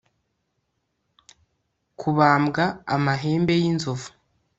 Kubambwa amahembe yinzovu